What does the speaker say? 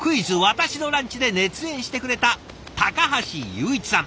私のランチ」で熱演してくれた橋雄一さん。